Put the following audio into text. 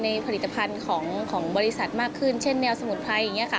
ในผลิตภัณฑ์ของบริษัทมากขึ้นเช่นแนวสมุนไพร